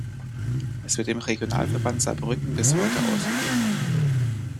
Es wird im Regionalverband Saarbrücken bis heute ausgegeben.